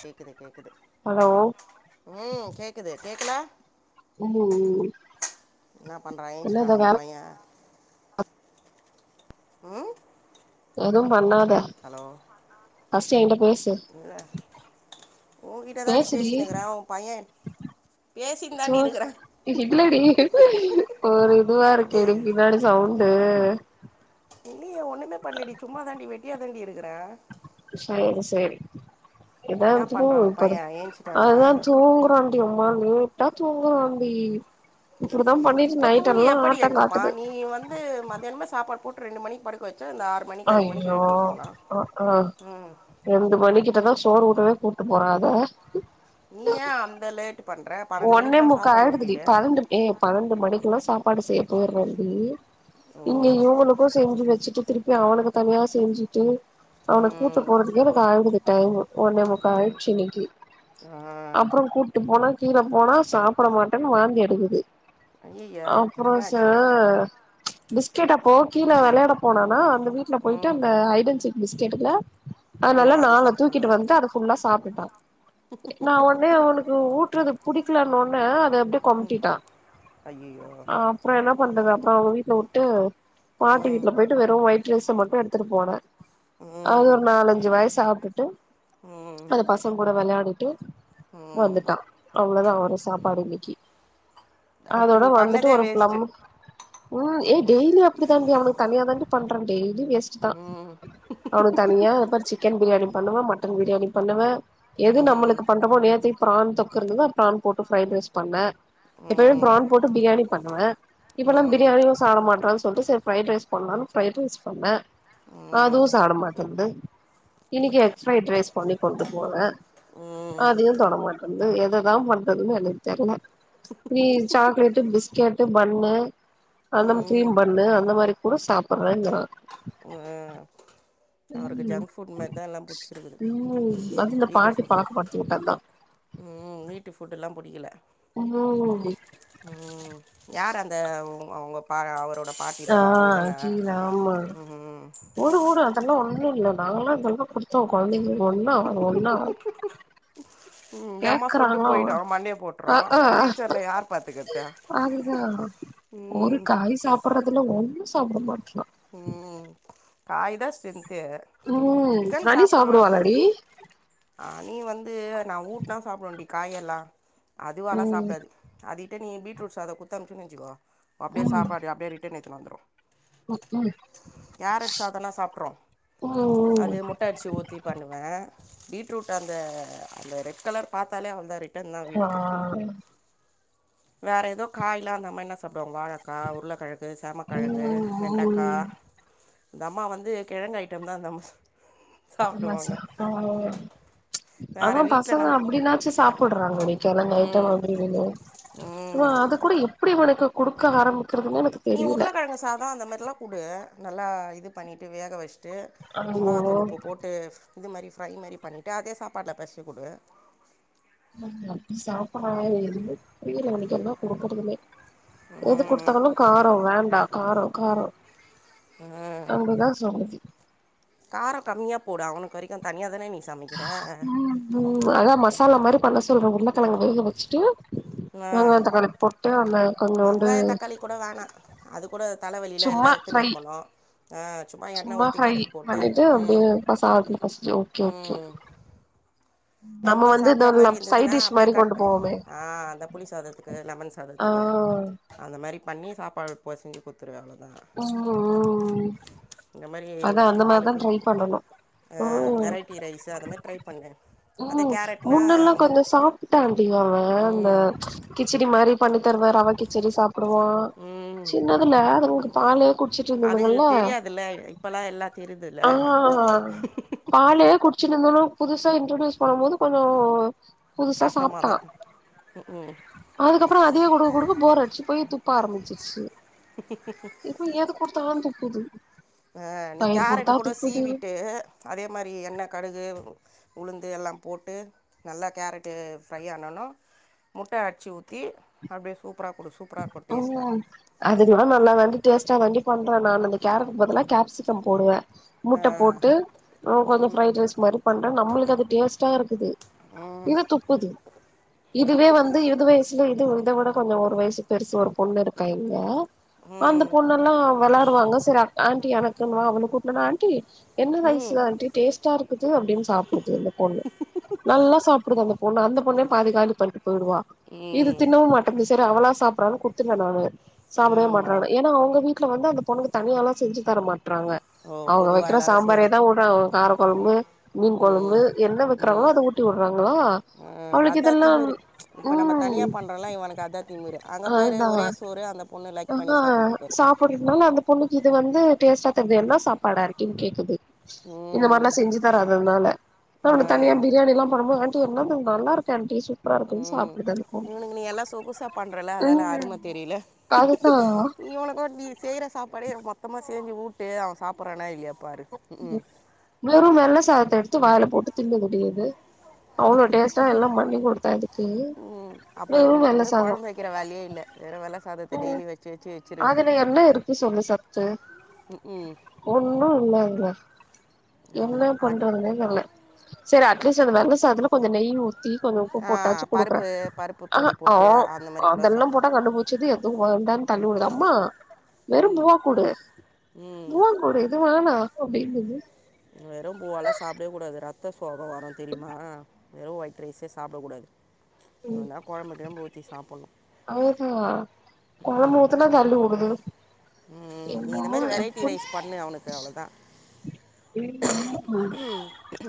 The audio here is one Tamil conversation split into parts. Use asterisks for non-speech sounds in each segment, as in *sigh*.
கேக்குது கேக்குது ஹலோ உம் கேக்குது கேக்கல ம் என்ன பண்ற என்னது ஏஞ்ச்சுட்டானா உன் வேல பையே உம் எதும் பண்ணாத ஹலோ ஃபர்ஸ்ட் என்கிட்ட பேசு இல்ல உங்கிட்ட தாண்டி பேசுடி பேசினுக்கிறே உ பையே பேசிண்டு சோ தாண்டி இருக்குறே இல்லடி ஒரு இதுவா இருக்கேடி பின்னாடி சவுண்டு இல்லயே ஒண்ணுமே பண்ணலடி சும்மா தாண்டி வெட்டியா தாண்டி இருக்கறே சேரி சேரி இதா என்ன தூங்கு பண்ணுறான் உன் படுது பையன் ஏஞ்சிட்டானா அதா தூங்குறா இம்மா லேட்டா தூங்குவாண்டி இப்டிதா பண்ணிட்டு நைட் எல்லா ஆட்ட காட்டுது ந்து மத்தியானம்மா சாப்பாடு போட்டு ரெண்டு மணி படுக்க வச்சா இந்த ஆறு மணிக்கு அஞ்சு மணிக்கு ஐயோ எழுப்பிவுட்டுரலா அ ஆ உம் ரெண்டு மணிக்கிட்ட தா சோறு ஊட்டவே கூட்டு போறதே நீ ஏ அந்த லேட்டு பண்ற பன்னெண்டு ஒன்னே மணிக்குல்லா முக்கா சாப்பாடு ஆயிடுதுடி ஊட்டிடு பன்னெண்டு ஏ பன்னெண்டு மணிக்குல்லா சாப்பாடு செய்ய போய்றேண்டி இங்க ஓ இவங்களுக்கு செஞ்சு வச்சுட்டு திருப்பி அவனுக்கு தனியா செஞ்சுட்டு அவன கூட்டு ம் போறதுக்கே எனக்கு ஆயிடுது டைமு ஒண்ணேமுக்கா ஆயிடுச்சு இன்னைக்கி ஆ அப்றோ கூட்டு போன இவ போனா சாப்பட மாட்டேன்னு வாந்தி எடுக்குது ஐயய்ய அப்றோ ச என்னாச்சு ஆ பிஸ்கட்டப்போ கீழ வெளயாட போனானா அந்த வீட்டுல போயிட்டு ம் அந்த ஐடென்சிக் பிஸ்கெட்டுல ஓ அதனால நா அது அவன சாப்ட்டானா தூக்கிட்டு வந்து அது ஃபுல்லா சாப்டுட்டா நா ஒட்னே அவனுக்கு ஊட் னது புடிக்கலனு ஒட்ன அத அப்டி கொமாட்டிட ஐயய்யோ ஆப் அப்புற என்ன பண்றது அப்புறோ அவன வீட்ல வுட்டு பாட்டி ம் வீட்ல போயிட்டு வெறு ஒயிட்ரைஸ மட்டு எடுத்துட்டு போனே அது ம் ஒரு நாலஞ்சு வாய்சாப்ட்டுட்டு ம் அந்த பசங் கூட வெளயாடிட்டு ம் வந்துட்டா அவ்ளோ தா அவ்ளோதா அவன் சாப்பாடு இன்னிக்கி அப்ப அதோட நீ வந்துட்டு பண்ணதே ஒரு வேஸ்ட்டு ப்ளம் உம் ஏ டெய்லி அப்டிதாண்டி அவனுக்கு தனியா தாண்டி பண்றே டெய்லி வேஸ்ட்டு தா ம் அவனுக்கு தனியா அப்பற் சிக்கன் பிரியாணி பண்ணுவே மட்டன் பிரியாணி பண்ணுவே எது ம் ம் நம்மளுக்கு பண்றமோ நேத்தைக்கு பிரான் தொக் குருந்ததா பிரான் போட்டு பிரைட் ரைஸ் பண்ணே எப்பமே ம் பிரான் போட்டு பிரியாணி பண்ணுவே இப்வல்லா ம் பிரியாணியு சாப்ட மாட்டறா சொல்ட்டு சரி ஃப்ரைட் ரைஸ் பண்ணலானு பிரைட் ரைஸ் பண்ணே அதுவு ம் சாப்ட மாட்டன்து இன்னிக்கி எக் ஃப்ரைட் ரைஸ் பண்ணி கொண்டு போனே ம் அதயு தொடமாட்ட ன்து எததா பண்றதுன்னு எனக்கு தெர்ல நீ சாக்லேட்டு பிஸ்கெட்டு பன்னு அந்த ம் கிரீம் பன்னு அந்த மாரி கூட சாப்பற்றேங்ரா வஹே அவருக்கு ம் ஜங்க் ஃபுட்மாரி தா எல்லாம் புடிச்சிருக்குது ம் அது இந்த வீட்டு பாட்டி ஃபுட் பழக்கப்படுத்தி விட்டதுதா உம் வீட்டு ஃபுட்டெல்லா புடிக்ல உம் உம் யார் அந்த அவுங்க பா அவரோட ஆ பாட்டிதானே அவுங்கதானே கீழ ஆமா ம் வுடு வுடு அதெல்லா ஒண்ணு இல்ல நாங்களா ஜங் புட் குடுத்தோ கொழந்தைங்களுக்கு ஒண்ணு ஆவாது ஒண்ணு ஆவாது ம் இந்த அம்மா சொல்ட்டு கேக்கறாங்ளா போயிடு மண்டைய போட்ரு அஹ்ஹா ஃப்யூச்சர்ல யார் பாத்துக்கறது அதுதா ஒரு காய் சாப்றதுல ஒண்ணு சாப்பிட மாட்டன்றா ம் காய்தா ஸ்றெந்தே கே ம் சிக்கன் ஹனி சாப்ட்லா சாப்புடுவாளாடி ஆ நீ வந்து நா ஊட்டுனா சாப்டுவண்டி காயெல்லா அதுவாளா ம் சாப்டாது அது தே நீ பீட்ரூட் சாதோ குடுத்தனுப்பிச்சே வெச்சிக்கோ அப்டியே சப்பாடு அப்டியே ரிட்டன் எடுத்துன்னு வந்துரு உஹ்ஹும் கேரட் சாதோன சாப்ட்று ம் ம் அது முட்ட அடிச்சி ஊத்தி பண்ணே பீட்ரூட் அந்த அந்த ரெட் கலர் பாத்தாலே அவ்ள்தா ரிட் ஆஹ் வேற ஏதோ காய்லா அந்த மாரினாசாப்டுவாங்க வாழைக்கா உருளக்கெழங்கு சேமக் கெழங்கு வெண்டக்கா ம் ம் இந்த அம்மா வந்து கெழங்கு ஐட்டம் தா இந்தம் *unintelligible* ஆனா வேறு வீட்டில் பசங்க நம் அப்டின்னாச்சு சாப்புடுறாங்கடி கிழங்கு ஐட்டம் ம் அப்டி இதுனு ஆ ம் அது கூட எப்டி இவனுக்கு குடுக்க ஆரம்பிக்கிறதுன்னே எனக்கு நீ தெரியல உருளக்கெழங்கு சாதம் அந்த மாரிலா குடு நல்லா இது பண்ணிட்டு வேக வச்சுட்டு ஐயோ மொளகாத்தூள் உப்பு போட்டு இது மாரி ஃப்ரை மாரி பண்ணிட்டு அதே சாப்பாட்ல பெசஞ்சு குடு சாப்பா எதுமே புரியல எனக்கு என்ன குடுக்குறதுனே எது குடுத் குத்தாலும் காரோ வேண்டா காரோ காரோ அப்டிதா சொல்லுது காரோ கம்மியா போடு அவனுக்கு வரைக்கும் தனியா தானே நீ சமிக்கிற உம் அதா மசாலா மாரி பண்ண சொல்ற உருளக்கெழங்க வேக வச்சிட்டு ஆ வெங்காயதக்காளி போட்டு அதுல வெங்காய தக்காளி கூட வேணா அது கூட தலவலில சும்மா எல்லா எத்துன்னு ஃப்ரை இக்கணு சும்மா எண்ண ஊத்தி கடுகு போட்டு ப சாதத்துல பெசஞ்சி ஓகே ஓகே ம் நம்ம வந்து இந்த சாப்ற மாரி சைட் இருந்ததுன்னா டிஷ் அப்டியே மாரி கட் கொண்டு போவோமே ஆஹ் அந்த புளி சாதத்துக்கு க்கு லெமன் ஆ சாதத்துக்கு அந்த மாரி பண்ணி சாப்பாடு பெசஞ்சு குட்த்துருவே அவ்ளோதா ம் உ ம் இந்த மாரி அதா அவ அந்த மாரிதா ட்ரை பண்ணணு ம் கீ ரைஸு அதை மாரி ட்ரை பண்ணே ம் முன்னெல்லா கொஞ்சோ சாப்ட்டாண்டி அவெ அந்த ம் கிச்சடி மாரி பண்ணி தருவாரு ரவ கிச்சடி சாப்புடுவோ ம் சின்னதுல அதுங்களுக்கு பாலே குடுத் அது தெரியாதுல்ல இப்பல்லா எல்லாத் ஆ ஆ பாலையே குடிச்சுட்டு இருந்தோன்னா புதுசா இன்ட்ரடியூஸ் பண்ணும் போது கொஞ்சோ புதுசா கஷ்டமாக சாப்டா தா இருக்கு ம் அதுக்கப்பறோ அதுவே குடுக்க குடுக்க ஃபோர் அடிச்சு போய் துப்ப ஆரம்பிச்சிருச்சு இப்ப எது குடுத்தாலு துப்புது ஆ நீ தயிர் கேரட்டு குடுத்தா கூட துப்புது சீவிட்டு அதே மாரி எண்ணெ கடுகு உளுந்து எல்லா போட்டு நல்லா கேரட்டு ஃப்ரை ஆனனோ முட்டே அட்ச்சு ஊத்தி அப்டியே சூப்பரா குடு சூப் அவுங்ளா அதுங்ளா நல்லா வேண்டி டேஸ்ட்டா வேண்டி பண்றே நானு அந்த கேரட்டுக்கு பதுலா கேப்சிக்கம் போடுவே முட்ட போட்டு நா கொஞ்சோ ஃப்ரைட் ரைஸ் மாரி பண்றே நம்மளுக்கு அது டேஸ்ட்டா இருக்குது இது துப்புது இதுவே வந்து இது வயசுல இது இதவுட கொஞ்சோ ஒரு வயசு பெருசு ஒரு பொண்ணு இருக்கா இங்க அந்த ம் பொண் எல்லா வெளாடுவாங்க தறா ஆண்டி எனக்குன்வா அவனுக்கு ஊட்னேனா ஆண்டி என்ன ரைஸு ம் ஆண்டி டேஸ்ட்டா இருக்குது அப்டின் சாப்புடுது இந்த பொண்ணு நல்லா சாப்புடுது அந்த பொண்ணு அந்த பொண்ணே பாதி காலி பண்ட்டு போயிடுவா இது ம் தின்னவும் மாட்டுது செரி அவளா சாப்டுறான்னு குடுத்துருவே நானு சாப்புடவே ஆமாம் மாட்டேறாங்கனு ஏன்னா அவுங்க வீட்டு வீட்ல வந்து அந்த பொண்ணுக்கு தனியால்லா செஞ்சு தர மாட்றாங்க ஓ அவுங்க பொதுவாக வக்கிற எல்லாரும் செய்கிறது சாம்பாரேதா ஊட்றாங்க கார கொழம்பு மீன் கொழம்பு ம் என்ன வக்குறாங்களோ அத ஊட் ம் அதா திமுரு இப்ப நம்ம ம் தனியா பண்றோல்ல இவனுக்கு அதா திமுரு அங்க பாரு ஒரே சோறு அந்த பொண்ணுல இந்தாவே சாப் போட்கிட்னால அந்த பொண்ணுக்கு இது வந்து டேஸ்ட்டா தெர்து என்னா சாப்பாடு ஆண்டினு கேக்குது ம் இதுமார்லா செஞ்சு தராது அதுனால அ தனியா ஆ பிரியாணியெல்லா பண்ணும்போது ஆண்டி என்னது இது நல்லா இருக்கு ஆண்டி சூப் சூப்பரா இருக்குனு ம் சாப்புடுதானே போகு இவனுக்கு ம் தெரியில அதுதா இவனுக்கு நீ செய்ற சாப்பாடே மொத்தமா செஞ்சு ஊட்டு அவன் சாப்புட்றனா இல்லையா பாரு க் ஹூம் வெரு வெள்ள சாதத்த எடுத் த்து வாயில போட்டு தின்னமுடியுது அவொளோ டேஸ்டா எல்லா பண்ணி குடுத்தா இதுக்கு தும் வெள்ள சாதோ க்கிற வேலயே இல்ல வெரு வெள்ள சாதத்த ம் டெய்லியு வெச்சு வெச்சு அதுல என்ன இருக்கு சொல்லு சத்து ம் ம் ஒண்ணு இல்லேங்ளே என்ன ஆமாம் அது பண்றதுனே தெர்ல்ல செரி அட்லீஸ்ட் அந்த வெள்ள சாதத்துல கொஞ்ச நெய் ஊத் த்தி கொஞ்ச உப்பு ஆ போட்டாச்சு குடுக்குறே பருப்பு பருப்பு ஆ ஹா பொடி அ போட்டு ஒ அந்த மாதிரி கூட அதெல்லா போட்டா சாப்பிடலாம் கண்டுபுடுச்சுருது எதுவு வேண்டான் தள்ளி வுடுது அம்மா வெறும் பூவா குடு ம் பூவா குடு இது வேணா அப்டிங்கிது வெறு பூவாலா சாப்டவே கூடாது ரத்த சோக வரு தெரியுமா வெறு ஒயிட் ரைஸே சாப்டக் கூடாது எதுனா கொழம்பு கிழம்பு ஊத்தி சாப்புன்னு அது தா கொழம்பு ஊத்தனா தள்ளி வுடுது ம் நீ இந்த என்னமோ மாரி வெரைட்டி எப்டி ரைஸ் பண்ணு அவனுக்கு அவ்ளோதா *unintelligible*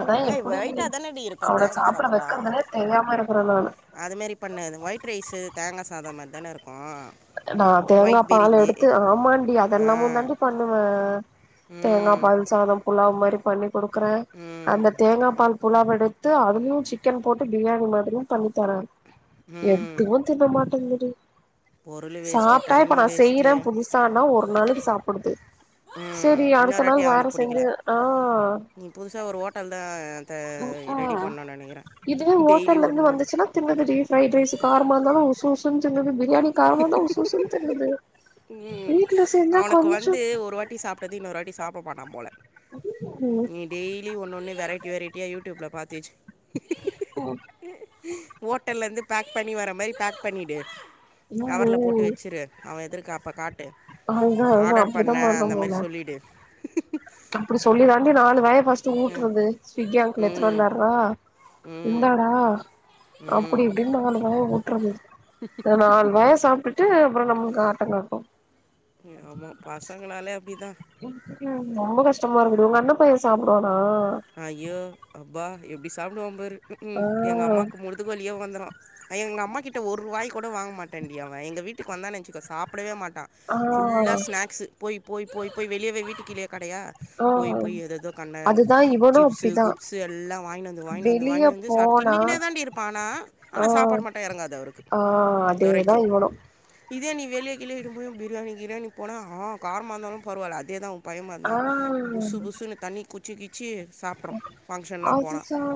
அதா ஏய் எப்படி ஒயிட்டாக தானேடி இருக்கும் அவன தேங்காய் சாப்பிட சாதம்லாம் வெக்கறதுனே தெரியாம இருக்கற நானு அதுமாரி பண்ணு அது ஒயிட் ரைஸு தேங்கா சாதம் மார் தான இருக்கு நா தேங்கா பால் எடுத்து ஆமாண்டி ஆ அதெல்லாமு தாண்டி பண்ணுவே தேங்கா ம் பால் சாதம் புலாவ் மாரி பண்ணி குடுக்குறே ம் அந்த தேங்கா பால் புலாவ் எடுத்து அதுலியூ சிக்கன் போட்டு பிரியாணி மாதிரியு பண்ணித்தறே ம் எதுவு தின்ன மாட்டுன்து டி பொருள் வேஸ்ட்டு சாப்ட்டா இப்ப டைமு நா வேஸ்ட்டு செய்யறே புதுசானா ஒரு நாளைக்கு சாப்புடுது ம் செரி அடுத்த இன்னொரு நாள் வாட்டி வேற அவனுக்கு செஞ்சி பிடிக்கல ஆ நீ புதுசா ஒரு ஹோட்டல்தா த ம் ரெடி ம் பண்னு நெனைக்கிறே டெய்லி ஒன்னு தின்னது டி ஃப்ரைட் ரைஸு காரமா இருந்தாலு உஷ் உஷ்ன்னு தின்னது பிரியாணி காரமா இருந்தா உஷ் உஷ்ன்னு தின்னுது ம் வீட்ல செஞ்சா அவனுக்கு கொஞ்சோ வந்து ஒரு வாட்டி சாப்ட்டது இன்னொரு வாட்டி சாப்படமாட்டா போல நீ டெய்லி ஒன்னொன்னு வெரைட்டி வெரைட்டியா யூடியூப்ல பாத்து வெச் ம் ஹோட்டல்லருந்து பேக் பண்ணி வர மாரி பேக் பண்ணிடு கவர்ல போட்டு வெச்சுரு அவ எதிர்க அப்ப காட்டு அதுதா அதுதா ஆடர் பண்ண அப்டிதா அந்த மாரி சொல்லிடு அப்படி சொல்லி தாண்டி நாலு வாயி பஸ்ட்டு ஊட்டுருது ஸ்விகி அங்கிள் எத்துனு ம் வந்தார்ரா ம் இந்தாடா அப்புடி ம் இப்புடினு நாலு வாயி ஊட்டுறது இந்த நாலு வாய சாப்டு ட்டு அப்றோ நம்மளுக்கு ஆட்டங்காட்டு ஆமா பசங்களாலே அப்டிதா ம் ரொம்ப கஷ்டமா இருக்குடி உங்க அண்ண பைய சாப்டுவானா அய்யோ அப்பா எபடி சாப்டுவா பாரு க்க்ம் ஆ எங்க அம்மாக்கு முதுகு வலியே வந்துரோ எங்க அம்மா கிட்ட ஒரு வாய் கூட வாங்க மாட்டான்டி அவ எங்க வீட்டுக்கு வந்தான் நென்ச்சுக்கோ சாப்படவே மாட்டா ஆ ஃபுல்லா ஸ்நாக்ஸு போய் போய் போய் போயா வெளியவே வீட்டுக் கீழயே கடையா ஆ போய் போய் எதெதோ கண்ட அதுதா இவனு சிப்ஸு அப்டிதா குப்ஸு எல்லா வாய்ன்வந்து வாய்ன்வந்து வெளிய வாய்ன்வந்து சாப் போனா தின்னக்கின்னே தாண்டி இருப்பா ஆனா ஆ ஆனா சாப்பாடு மட்டு எறங்காது அவுருக்கு ஆ அதேதா தொரைக்கி இவனு இதே நீ வெளியே கிளியே இட்டுணு போய் பிரியாணி கிரியாணி போனா ஆ காரமா இந்தாலு பரவால்ல அதே தா உ பய மார்தா ஆ புசு புசுன்னு தண்ணி குச்சி கிச்சி சாப்ட்றோ ஃபங்க்ஷன்லாம் போனா அதுதா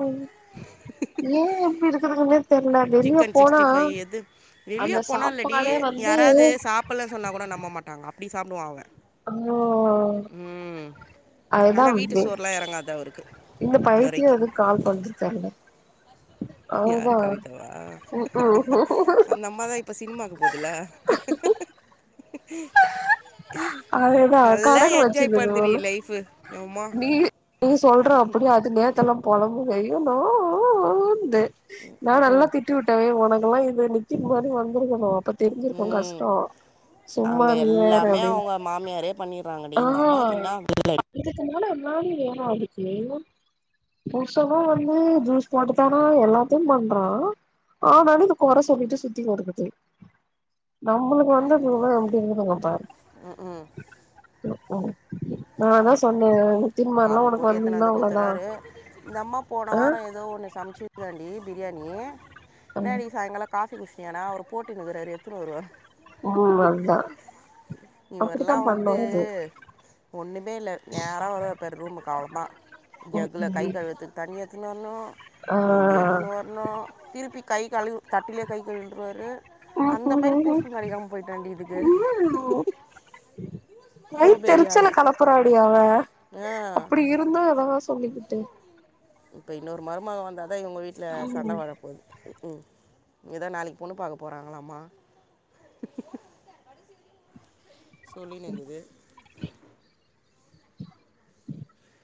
ஏ இப்பி இருக்குதிங்கனே சிக்கன் சிக்ஸ்டி ஃபை எது வெளிய அந்த போனாலடி சாப்பாடே வந்து யாராது சாப் பல்லா சொன்னா கூட நம்ப மாட்டாங்க அப்டி சாப்டுவா அவ ஓ அதுதா ஆனால் வீட்டு வே சோற்ல்லா எறங்காது அவுருக்கு இந்த பைத்தியோ எதுக் கால் பண்து தெர்ல யாரு அதுதா ம்க்ம் ந்தம்மா தா இப்ப சினிமாக்கு போதுல அதேதா நல்லா கணக்கு என்ஜாய் வச்சிருந்தது பண்துடி போல லைஃபு எம்மா நீ நீ சொல்ற அப்படியா அதுனு நேத்தெல்லா பொலம்புது ஐயோ ஓ ஓ ஓ ந்து நா நல்லா திட்டி வுட்டே ஏய் உனகெல்லா இது நி த்தி மாரி வந்திருக்கனு அப்ப தெரிஞ்சிருக்கு ம் கஷ்டோ சும்மா அங்கே நீ வேற எல்லாமே அப்டினு அவங்க மாமியாரே பண்ணிறாங்க டி இந்த அம்மாக்கு இன்னா வேலை இதுக்கு மேல இன்னாடி வேணு அவ்ளுக்கு புர்ஷனோ வந்து ஜூஸ் போட்டு தரா எல்லாத்தியு பண்றா ஆனாலு இந்த கொற சொல்லிட்டு சுத்திங்கெடுக்குது நம்பளுக்கு வந்ததுங்கெல்லா எப்டி இருக்குதுங்கப் பாரு ம்க்ம் நா அதா சொன்ன நித்தி மார்லா காப்பி உனக்கு போட்டு எத்தனை வந்திந்தா வந்து அவ்வளோதா குத்துறாரு இந்த அம்மா போன வாரோ ஏதோ ஒன்னு சமைச்சிருதாண்டி பிரியாணி ம் என்னடி சாயங்காலோ காஃபி குஷ்டி ஏனா அவரு போட்டுனு க்குராரு எத்துனு வருவாரு அதுதா இவர்லா அப்டித்தா பண்ணு வந்து அது ஒண்ணுமேல்ல நேரா வருவாரு பாரு ரூமுக்கு அவ்ளோ தா ம் ஜக்குல கை ம் கழுவத்துக்கு தண்ணி எத்துனுவரணு ஆ லுங்கி எத்துன்னு வரணு திருப்பி கை கழு தட்டிலே கைகளுன்றுவாரு அந்த மாரி ம் புருஷ கடக்காம போயிட்டாண்டி இதுக்கு சோபேரியால் வயித்தெரிச்சலக் கலப் பராடியவ ஆ அப்புடி இருந்து அதாவா சொல்லிக்கிட்டு இப்ப இன்னொரு மருமக வந்தாதா இவுங்க வீட்டுல சண்ட ம் வரப்போது ம் கூ இதோ நாளைக்கி பொண்ணு பாக்க போறாங்கலாமா சொல்லி நிந்துது